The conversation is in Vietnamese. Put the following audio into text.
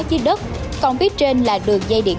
dưới đất còn phía trên là đường dây điện